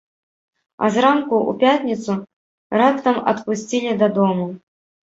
А зранку ў пятніцу раптам адпусцілі дадому.